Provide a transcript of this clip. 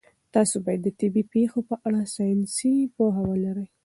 تاسي باید د طبیعي پېښو په اړه ساینسي پوهه ولرئ.